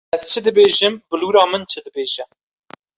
Ez çi dibêjim bilûra min çi dibêje.